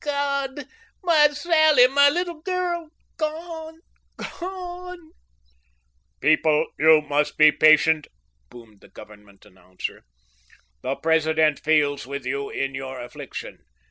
God, my Sally, my little girl, gone gone " "People, you must be patient," boomed the Government announcer. "The President feels with you in your affliction.